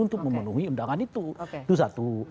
untuk memenuhi undangan itu itu satu